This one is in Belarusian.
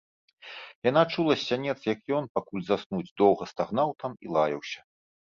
Яна чула з сянец, як ён, пакуль заснуць, доўга стагнаў там і лаяўся.